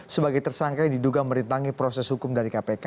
sebagai tersangka yang diduga merintangi proses hukum dari kpk